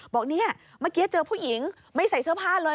บอกเนี่ยเมื่อกี้เจอผู้หญิงไม่ใส่เสื้อผ้าเลย